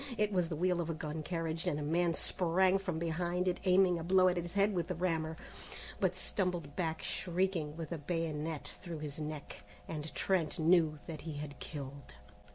It was the wheel of a gun carriage, and a man sprang from behind it, aiming a blow at his head with a rammer, but stumbled back shrieking with a bayonet through his neck, and Trent knew that he had killed.